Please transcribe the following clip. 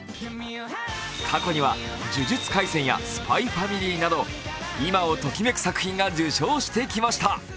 過去には「呪術廻戦」や「ＳＰＹ×ファミリー」など今をときめく作品が受賞してきました。